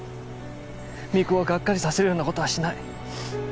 未玖をがっかりさせるような事はしない。